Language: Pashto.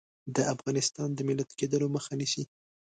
د افغانستان د ملت کېدلو مخه نیسي.